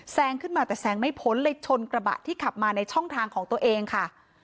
ขึ้นมาแต่แซงไม่พ้นเลยชนกระบะที่ขับมาในช่องทางของตัวเองค่ะ